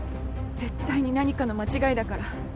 絶対に何かの間違いだから。